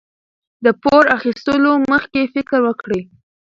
د پور اخیستلو مخکې فکر وکړئ.